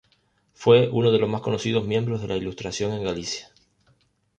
Fue uno de los más conocidos miembros de la Ilustración en Galicia.